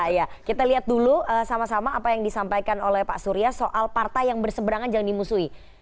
iya kita lihat dulu sama sama apa yang disampaikan oleh pak surya soal partai yang berseberangan jangan dimusuhi